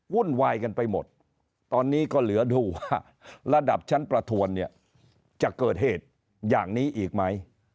วุ่นวายกันไปหมดตอนนี้ก็เหลือดูว่าระดับชั้นประทวนเนี่ยจะเกิดเหตุอย่างนี้อีกไหม